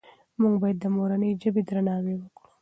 موږ باید د مورنۍ ژبې درناوی وکړو.